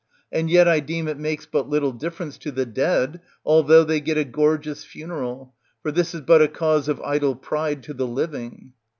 And yet I deem it makes but little diiference to the dead, although they get a gorgeous funeral ; for this is but a cause of idle pride to the living.